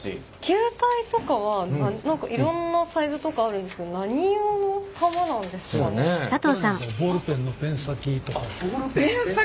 球体とかは何かいろんなサイズとかあるんですけどこれなんかはペン先！？